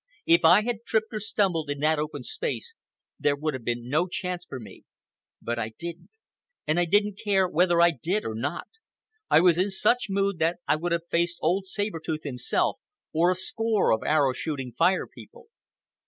If I had tripped or stumbled in that open space, there would have been no chance for me. But I didn't. And I didn't care whether I did or not. I was in such mood that I would have faced old Saber Tooth himself, or a score of arrow shooting Fire People.